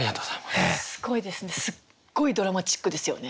すっごいドラマチックですよね。